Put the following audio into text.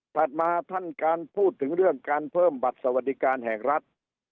ถัดมาท่านการพูดถึงเรื่องการเพิ่มบัตรสวัสดิการแห่งรัฐ